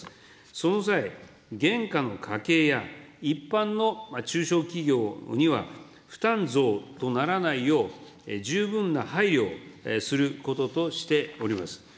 その際、現下の家計や、一般の中小企業には、負担増とならないよう、十分な配慮をすることとしております。